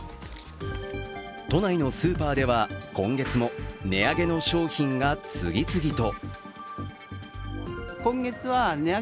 都内のスーパーでは今月も値上げの商品が次々と。